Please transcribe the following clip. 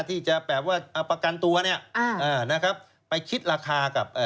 ที่จะแปลว่าปกัญตัวไปคิดราคากับ